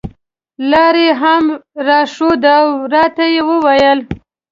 لاره یې هم راښوده او راته یې وویل.